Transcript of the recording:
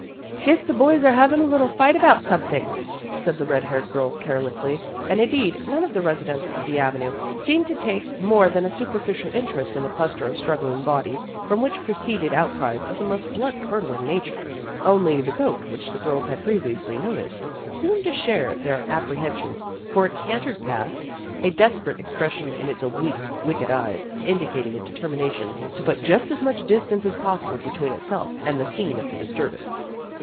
" Guess the boys are havin' a little fight about something," said the red haired girl carelessly, and indeed none of the residents of the avenue seemed to take more than a superficial interest in the cluster of struggling bodies, from which proceeded outcries of the most blood curdling nature. Only the goat which the girls had pre viously noticed, seemed to share their apprehen AT HOME WITH THE DUNNS 129 sions, for it cantered past, a desperate expres sion in its oblique, wicked eyes, indicating a determination to put as much distance as pos sible between itself and the scene of the dis turbance.